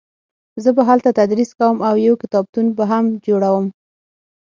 زه به هلته تدریس کوم او یو کتابتون به هم جوړوم